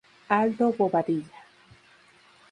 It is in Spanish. Aldo Bobadilla.